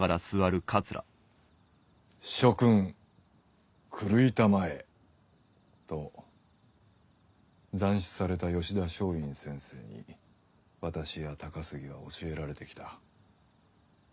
「諸君狂いたまえ」と斬首された吉田松陰先生に私や高杉は教えられて来た。